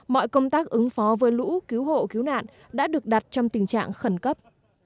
mọi công tác ứng phó với lũ cứu hộ cứu nạn đã được đặt trong tình trạng khẩn cấp